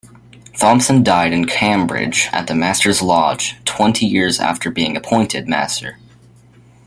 Thompson died in Cambridge, at the Master's Lodge, twenty years after being appointed Master.